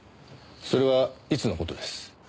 それはいつの事です？